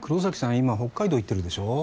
今北海道行ってるでしょ？